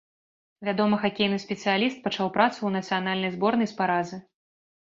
Вядомы хакейны спецыяліст пачаў працу ў нацыянальнай зборнай з паразы.